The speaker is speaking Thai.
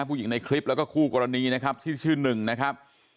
ในคลิปแล้วก็คู่กรณีนะครับที่ชื่อหนึ่งนะครับ